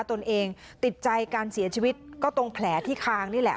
ตนเองติดใจการเสียชีวิตก็ตรงแผลที่คางนี่แหละ